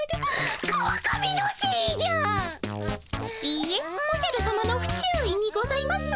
いいえおじゃるさまのふ注意にございます。